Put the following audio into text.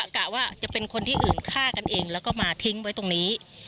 กะว่าจะเป็นคนที่อื่นฆ่ากันเองแล้วก็มาทิ้งไว้ตรงนี้